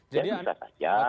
jadi bisa saja